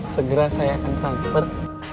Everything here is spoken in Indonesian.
segera saya akan transfer